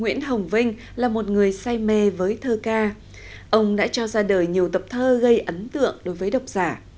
nguyễn hồng vinh là một người say mê với thơ ca ông đã cho ra đời nhiều tập thơ gây ấn tượng đối với độc giả